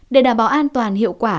để đảm bảo an toàn hiệu quả